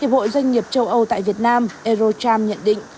hiệp hội doanh nghiệp châu âu tại việt nam eurocharm nhận định